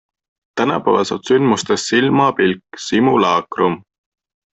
Tänapäeval saab sündmusest silmapilk simulacrum.